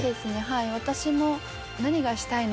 はい私も。